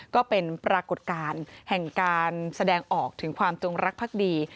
ก็เป็นปรากฏการณ์แห่งการแสดงออกถึงความจงรักภักดี